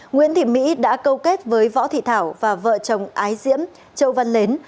nguyễn thị mỹ đã câu kết với võ thị thảo và vợ chồng ái diễm châu văn mến